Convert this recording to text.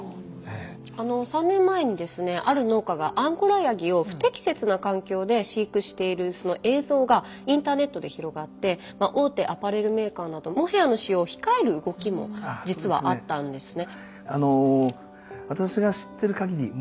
あの３年前にですねある農家がアンゴラやぎを不適切な環境で飼育している映像がインターネットで広がって大手アパレルメーカーなどモヘアの使用を控える動きも実はあったんですね。